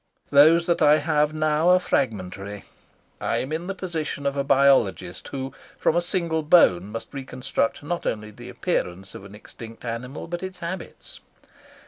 Those that I have now are fragmentary. I am in the position of a biologist who from a single bone must reconstruct not only the appearance of an extinct animal, but its habits.